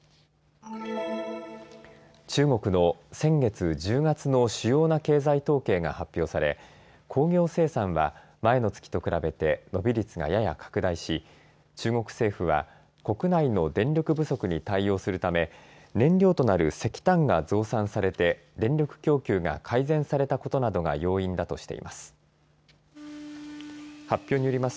中国の先月１０月の主要な経済統計が発表され工業生産は前の月と比べて伸び率がやや拡大し中国政府は国内の電力不足に対応するため燃料となる石炭が増産されて電力供給が改善されたことなどが要因だとしています。